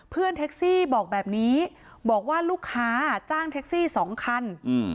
เพื่อนแท็กซี่บอกแบบนี้บอกว่าลูกค้าจ้างแท็กซี่สองคัน